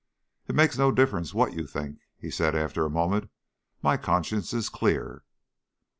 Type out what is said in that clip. "It makes no difference what you think," he said after a moment. "My conscience is clear."